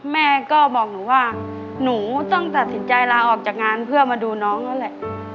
แม่ก็บอกหนูว่าหนูต้องตัดสินใจลาออกจากงานเพื่อมาดูน้องนั่นแหละ